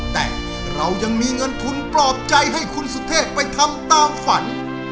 แต่เรายังมีเงินทุนปลอบใจให้คุณสุเทพไปทำตามฝัน